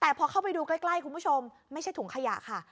แต่พอเข้าไปดูใกล้คุณผู้ชมไม่ใช่ถุงขยะค่ะ